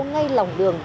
ngay lòng đường